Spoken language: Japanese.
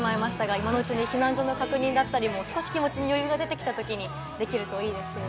今のうちに避難所の確認だったり、気持ちの余裕が出てきたときにできるといいですね。